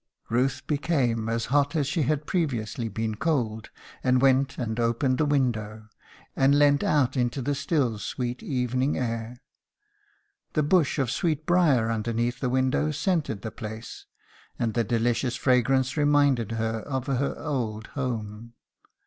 "Ruth became as hot as she had previously been cold, and went and opened the window, and leant out into the still, sweet evening air. The bush of sweetbriar underneath the window scented the place, and the delicious fragrance reminded her of her old home.